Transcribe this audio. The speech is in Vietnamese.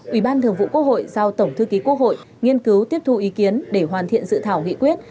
ủy ban thường vụ quốc hội giao tổng thư ký quốc hội nghiên cứu tiếp thu ý kiến để hoàn thiện dự thảo nghị quyết